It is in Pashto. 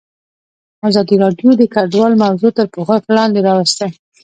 ازادي راډیو د کډوال موضوع تر پوښښ لاندې راوستې.